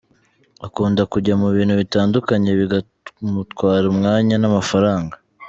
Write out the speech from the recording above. Akunda kujya mu bintu bitandukanye bikamutwara umwanya n’amafaranga.